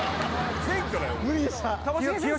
選挙だよ